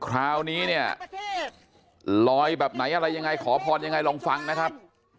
คราวนี้เนี่ยลอยแบบไหนอะไรยังไงขอพรยังไงลองฟังนะครับ